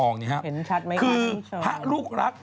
นี้ครับ